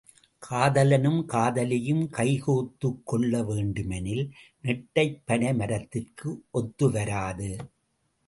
காதலனும் காதலியும் கைகோத்துக் கொள்ள வேண்டுமெனில், நெட்டைப் பனை மரத்திற்கு ஒத்து வராது.